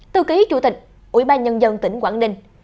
tư ký chủ tịch ủy ban nhân dân tỉnh quảng ninh